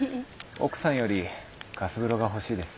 奥さんよりガス風呂が欲しいです。